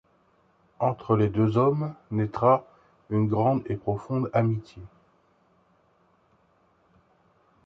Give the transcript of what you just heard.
Entre les deux hommes naîtra une grande et profonde amitié...